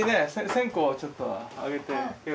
線香をちょっと上げて。